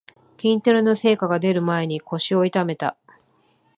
筋トレの成果がでる前に腰を痛めた